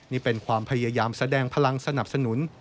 นี่เป็นความพยายามแสดงพลังสนับสนุน